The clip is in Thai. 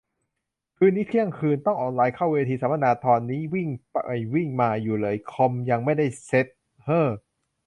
คืนนี้ เที่ยงคืน ต้องออนไลน์เข้าเวทีสัมมนา ตอนนี้ยังวิ่งไปวิ่งมาอยู่เลย คอมยังไม่ได้เซ็ต เฮ่อ